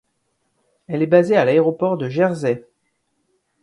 Elle est basée à L'Aéroport de Jersey.